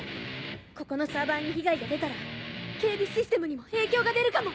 ここのサーバーに被害が出たら警備システムにも影響が出るかも。